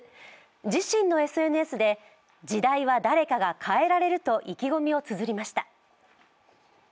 自身のＳＮＳで、時代は誰かが変えられると意気込みをつづりました。